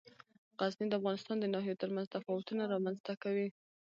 غزني د افغانستان د ناحیو ترمنځ تفاوتونه رامنځ ته کوي.